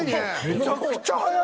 めちゃくちゃ速い！